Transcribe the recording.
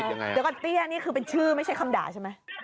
เดี๋ยวก่อนเตี้ยนี่คือเป็นชื่อไม่ใช่คำด่าใช่ไหม